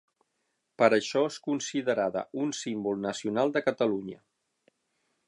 Per això és considerada un símbol nacional de Catalunya.